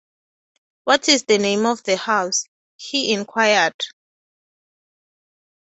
‘What is the name of the house?’ he inquired.